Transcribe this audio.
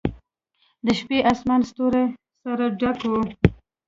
د شپې آسمان ستورو سره ډک و.